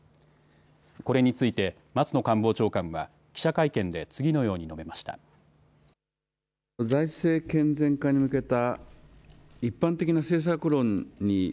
これについて松野官房長官は記者会見で次のように述べました。